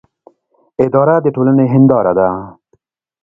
اداره د ټولنې هنداره ده